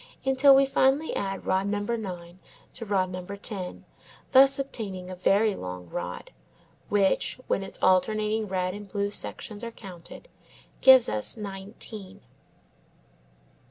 until we finally add rod number 9 to rod number 10, thus obtaining a very long rod, which, when its alternating red and blue sections are counted, gives us nineteen.